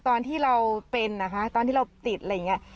ตอนที่เราเป็นนะคะตอนที่เราติดอะไรอย่างนี้